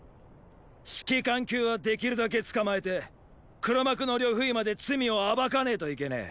指揮官級はできるだけ捕まえて黒幕の呂不韋まで罪を暴かねェといけねェ。